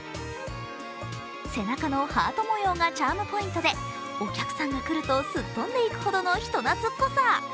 背中のハート模様がチャームポイントでお客さんが来るとすっ飛んでいくほどの人懐こさ。